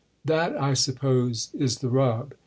That, I suppose, is the rub.